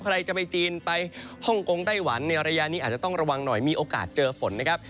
ใครจะไปจีนไปฮ่องกงไต้หวันในระยะนี้อาจจะต้องระวังหน่อยมีโอกาสเจอฝนนะครับ